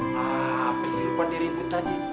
haa pasti lupa diribut aja